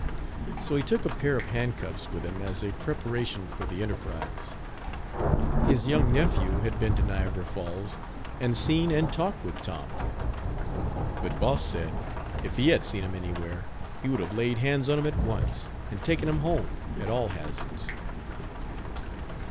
So he took a pair of handcuffs with him as a preparation for the enterprise. His young nephew had been to Niagara Falls, and seen and talked with Tom; but Boss said if he had seen him anywhere he would have laid hands on him, at once, and taken him home, at all hazards.